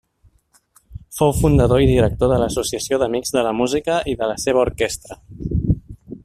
Fou fundador i director de l'Associació d'Amics de la Música i de la seva orquestra.